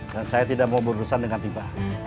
dan saya tidak mau berurusan dengan timbah